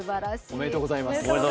おめでとうございます。